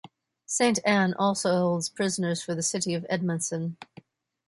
Saint Ann also holds prisoners for the city of Edmundson.